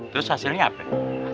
terus hasilnya apa ya